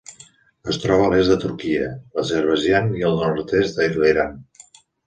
Es troba a l'est de Turquia, l'Azerbaidjan i al nord-oest de l'Iran.